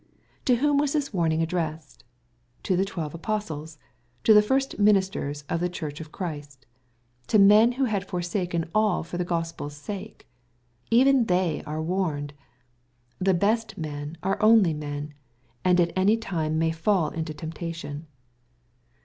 To whom was this warning addressed ? To the twelve apostles, — to the first ministers of the Church of Christ, — ^to men ^ho had forsaken all for the GospeVs sake I Even they are warned I The best of men are only men, and at any time may fall into temptation.